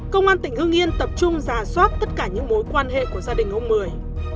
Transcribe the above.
công an tỉnh hương yên tập trung giả soát tất cả những mối quan hệ của gia đình ông mười